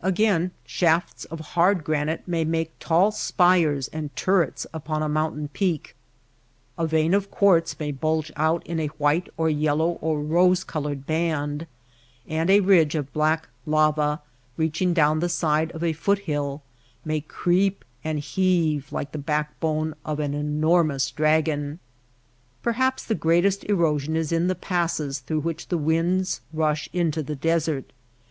* Again shafts of hard granite may make tall spires and turrets npon a mountain peak, a vein of quartz may bulge out in a white or yel low or rose colored band ; and a ridge of black lava, reaching down the side of a foot hill, may creep and heave like the backbone of an enor mous dragon. Perhaps the greatest erosion is in the passes through which the winds rush into the desert.